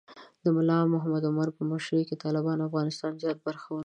د ملا محمد عمر په مشرۍ کې طالبانو د افغانستان زیات برخه ونیوله.